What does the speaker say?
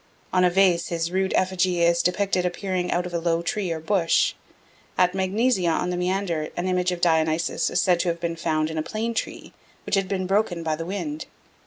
On a vase his rude effigy is depicted appearing out of a low tree or bush. At Magnesia on the Maeander an image of Dionysus is said to have been found in a plane tree, which had been broken by the wind.